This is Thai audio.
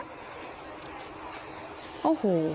โอ้โห